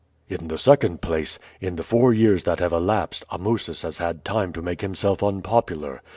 "In the second place, in the four years that have elapsed Amusis has had time to make himself unpopular.